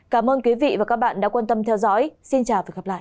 cảm ơn quý vị và các bạn đã quan tâm theo dõi xin chào và hẹn gặp lại